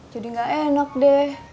jadi nggak enak deh